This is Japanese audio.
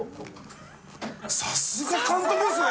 さすが監督ですね！